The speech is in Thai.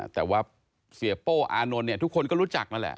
แต่ว่าเสียโป้อานนท์เนี่ยทุกคนก็รู้จักนั่นแหละ